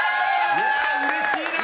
いや、うれしいな！